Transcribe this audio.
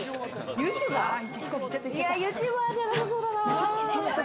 ＹｏｕＴｕｂｅｒじゃなさそうだな。